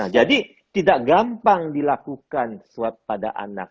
jadi tidak gampang dilakukan swab pada anak